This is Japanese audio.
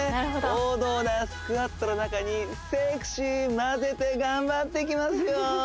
王道なスクワットの中になるほどセクシーまぜて頑張っていきますよ